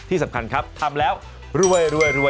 ที่สำคัญครับทำแล้วรวยแน่นอน